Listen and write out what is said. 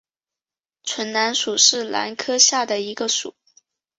唇兰属是兰科下的一个属。